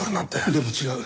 でも違う。